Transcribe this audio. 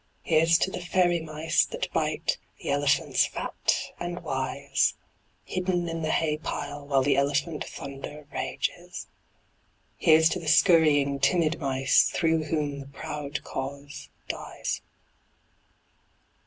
Here's to the fairy mice that bite The elephants fat and wise: Hidden in the hay pile while the elephant thunder rages. Here's to the scurrying, timid mice Through whom the proud cause dies.